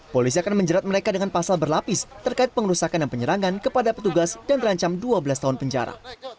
polisi akan menjerat mereka dengan pasal berlapis terkait pengerusakan dan penyerangan kepada petugas dan terancam dua belas tahun penjara